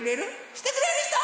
してくれるひと？